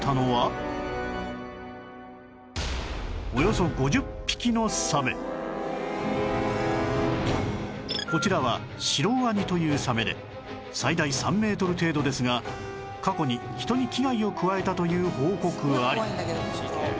その後の調査でビーチのこちらはシロワニというサメで最大３メートル程度ですが過去に人に危害を加えたという報告あり